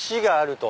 と。